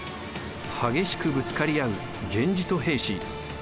激しくぶつかり合う源氏と平氏源平